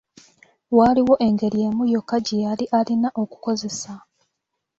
Waaliwo engeri emu yokka gye yali alina okukozesa.